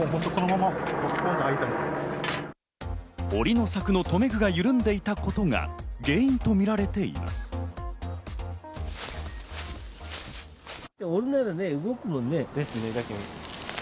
檻の柵の留め具が緩んでいたことが原因とみられています。